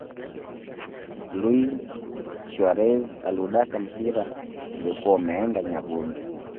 luis suarez aliudaka mpira uliyokuwa unaeenda nyavuni